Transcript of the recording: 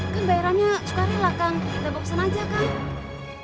kan bayarannya sukarela kang kita bawa kesana aja kang